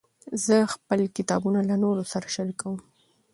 زه خپل کتابونه له نورو سره شریکوم.